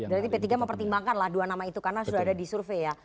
berarti p tiga mempertimbangkan lah dua nama itu karena sudah ada di survei ya